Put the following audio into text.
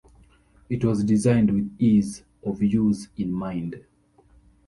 It was designed with ease-of-use in mind.